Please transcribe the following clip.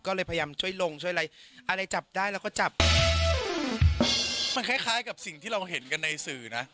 ก็เลยพยายามช่วยลงช่วยอะไรอะไรจับได้เราก็จับมันคล้ายคล้ายกับสิ่งที่เราเห็นกันในสื่อนะ